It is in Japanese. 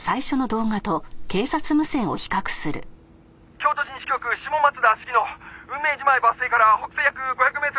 「京都市西京区下松田鴫野」「雲明寺前バス停から北西約５００メートルの造成地です」